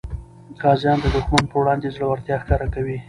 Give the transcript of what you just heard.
غازیان د دښمن په وړاندې زړورتیا ښکاره کوي.